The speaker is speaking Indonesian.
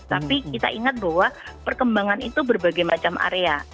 tapi kita ingat bahwa perkembangan itu berbagai macam area